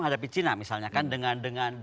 di china misalnya kan dengan